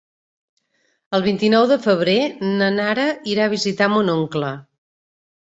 El vint-i-nou de febrer na Nara irà a visitar mon oncle.